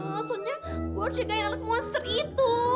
maksudnya gue harus jagain alat monster itu